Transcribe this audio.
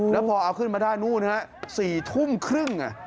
แล้วพอเอาขึ้นมาได้นู่นฮะ๔ทุ่มครึ่ง